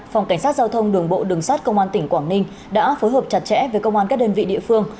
phòng cảnh sát giao thông đường bộ đường sát công an tỉnh quảng ninh đã phối hợp chặt chẽ với công an các đơn vị địa phương